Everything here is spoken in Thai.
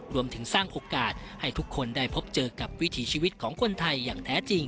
รวมถึงสร้างโอกาสให้ทุกคนได้พบเจอกับวิถีชีวิตของคนไทยอย่างแท้จริง